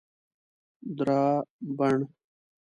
درابڼ